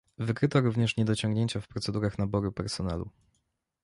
Wykryto również niedociągnięcia w procedurach naboru personelu